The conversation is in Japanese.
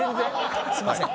すいません。